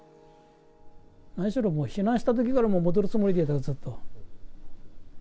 何しろ避難したときから戻るつもりでいたの、ずっと。